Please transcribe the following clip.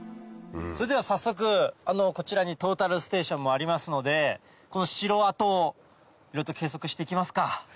それでは早速こちらにトータルステーションもありますのでこの城跡を計測していきますか。